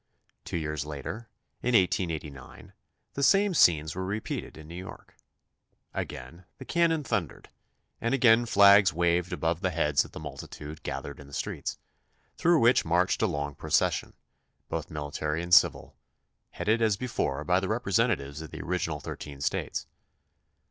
Two years later, in 1889, the same scenes were re peated in New York. Again the cannon thundered and again flags waved above the heads of the multi tude gathered in the streets, through which marched a long procession, both military and civil, headed as before by the representatives of the original thirteen States.